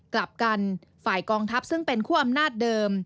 กลับกันฝ่ายกองทัพซึ่งเป็นคู่อำนาจเดิม